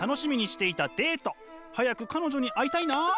早く彼女に会いたいなあ。